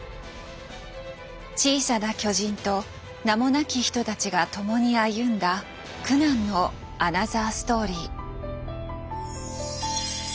「小さな巨人」と名もなき人たちが共に歩んだ苦難のアナザーストーリー。